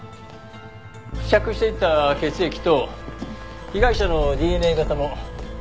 付着していた血液と被害者のＤＮＡ型も一致しました。